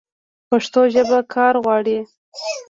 پښتو ژبه کار غواړي.